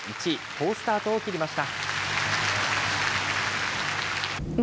好スタートを切りました。